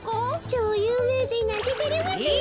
ちょうゆうめいじんなんててれますねえ。